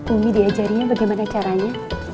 umi diajarinya bagaimana caranya